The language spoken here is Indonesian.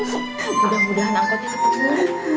mudah mudahan angkotnya kepencuran